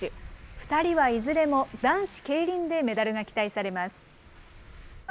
２人はいずれも男子競輪でメダルが期待されます。